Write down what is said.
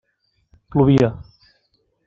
Plovia.